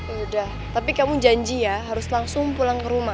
udah tapi kamu janji ya harus langsung pulang ke rumah